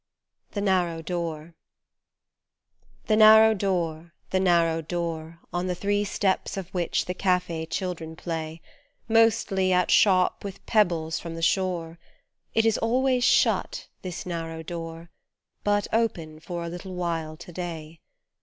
THE NARROW DOOR THE narrow door, the narrow door On the three steps of which the cafe children play Mostly at shop with pebbles from the shore, It is always shut this narrow door But open for a little while to day.